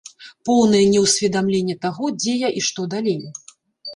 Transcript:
Поўнае неўсведамленне таго, дзе я і што далей.